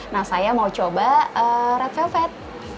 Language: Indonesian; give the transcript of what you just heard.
nah saya mau coba red vevet